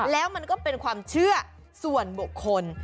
แล้วมันก็เป็นความเชื่อส่วนบุคคล